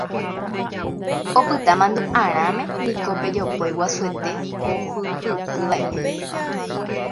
Opyta mandu'arãme niko pe jopói guasuete ohupytyva'ekue